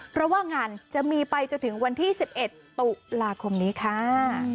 เพราะว่างานจะมีไปจนถึงวันที่๑๑ตุลาคมนี้ค่ะ